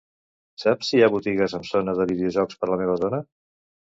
Saps si hi ha botigues amb zona de videojocs per la meva zona?